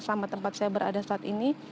sama tempat saya berada saat ini